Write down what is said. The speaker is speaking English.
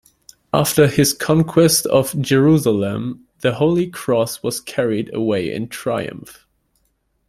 After his conquest of Jerusalem the Holy Cross was carried away in triumph.